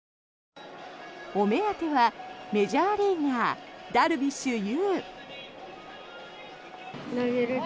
お目当ては、メジャーリーガーダルビッシュ有。